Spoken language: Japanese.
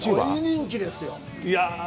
大人気ですよ。